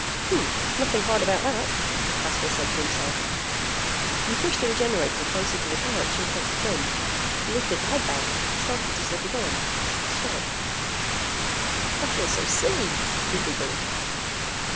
"Nothing hard about that," Caswell said to himself. He pushed the Regenerator closer to the couch and plugged it in. He lifted the headband, started to slip it on, stopped. "I feel so silly!" he giggled.